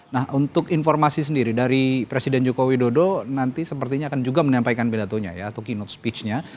nah untuk informasi sendiri dari presiden joko widodo nanti sepertinya akan juga menyampaikan pidatonya ya tuky note speech nya